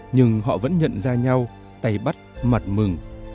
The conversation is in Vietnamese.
nhưng họ vẫn nhận ra nhau tay bắt mặt mừng